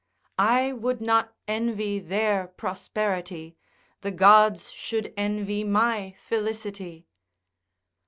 I would not envy their prosperity, The gods should envy my felicity.